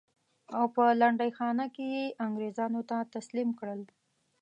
او په لنډۍ خانه کې یې انګرېزانو ته تسلیم کړل.